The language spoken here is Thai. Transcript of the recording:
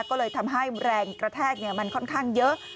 ก็เลยทำให้แรงกระแทกมันค่อนข้างเยอะ